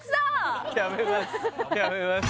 やめます